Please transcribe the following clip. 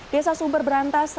desa sumber berantas